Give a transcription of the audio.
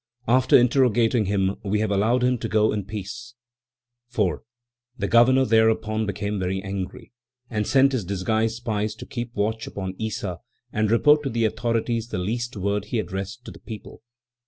After interrogating him, we have allowed him to go in peace." 4. The governor thereupon became very angry, and sent his disguised spies to keep watch upon Issa and report to the authorities the least word he addressed to the people.